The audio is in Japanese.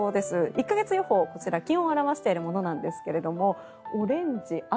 １か月予報、こちら気温を表しているものなんですがオレンジ、赤。